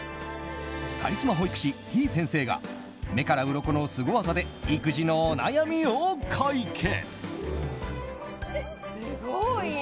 カリスマ保育士、てぃ先生が目からうろこのスゴ技で育児のお悩みを解決！